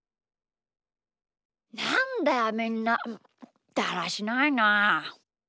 なんだよみんなだらしないなあ。